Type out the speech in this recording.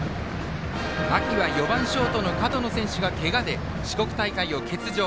秋は４番ショートの門野選手がけがで四国大会を欠場。